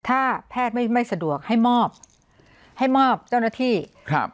ถ้าแพทย์ไม่ไม่สะดวกให้มอบให้มอบเจ้าหน้าที่ครับ